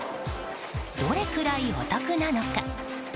どれくらいお得なのか。